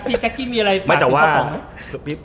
พี่จักดิยมีอะไรฝากพี่ป่องมั้ย